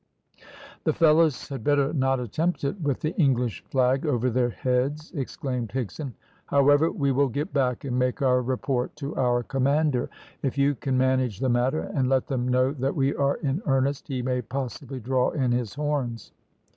"The fellows had better not attempt it with the English flag over their heads," exclaimed Higson; "however, we will get back and make our report to our commander. If you can manage the matter, and let them know that we are in earnest, he may possibly draw in his horns."